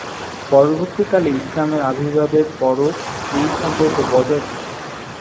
পরবর্তীকালে ইসলামের আবির্ভাবের পরেও এই সম্পর্ক বজায় থাকে।